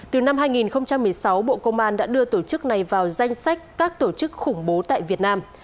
từ năm hai nghìn một mươi sáu bộ công an đã đưa tổ chức này vào danh sách các tổ chức khủng bố tại việt nam